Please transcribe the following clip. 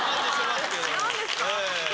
違うんですか？